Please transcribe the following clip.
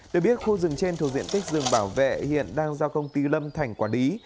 để biết khu rừng trên thuộc diện tích rừng bảo vệ hiện đang giao công ty lâm thành quả đí